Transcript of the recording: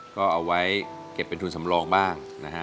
ก็เอาไว้เก็บเป็นทุนสำรองบ้างนะฮะ